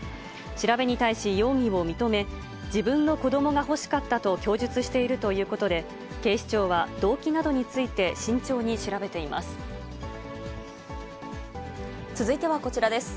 調べに対し容疑を認め、自分の子どもが欲しかったと供述しているということで、警視庁は動機などについて慎重に調べています。